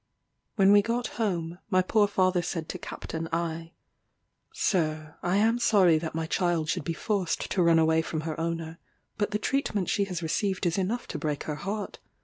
When we got home, my poor father said to Capt. I , "Sir, I am sorry that my child should be forced to run away from her owner; but the treatment she has received is enough to break her heart.